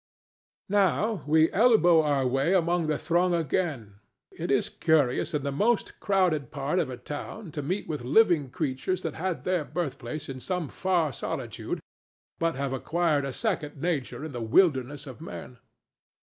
Now we elbow our way among the throng again. It is curious in the most crowded part of a town to meet with living creatures that had their birthplace in some far solitude, but have acquired a second nature in the wilderness of men.